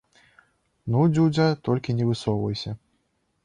Ну дзюдзя, толькі не высоўвайся!